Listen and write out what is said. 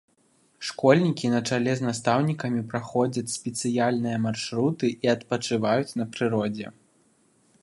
Школьнікі на чале з настаўнікамі праходзяць спецыяльныя маршруты і адпачываюць на прыродзе.